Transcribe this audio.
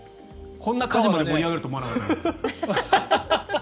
こんな盛り上がると思わなかったな。